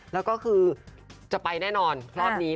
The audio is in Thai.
แล้วก็คือจะไปแน่นอนรอบนี้